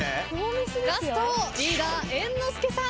ラストリーダー猿之助さん。